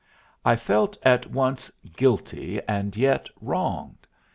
I felt at once guilty and yet wronged.